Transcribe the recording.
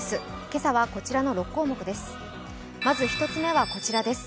今朝はこちらの６項目です。